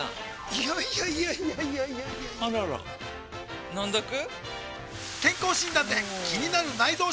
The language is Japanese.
いやいやいやいやあらら飲んどく？